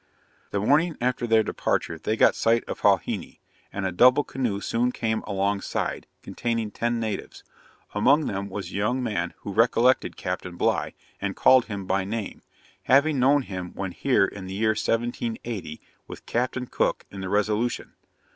The morning after their departure, they got sight of Huaheine; and a double canoe soon coming alongside, containing ten natives, among them was a young man who recollected Captain Bligh, and called him by name; having known him when here in the year 1780, with Captain Cook in the Resolution.